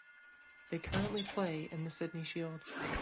They currently play in the Sydney Shield.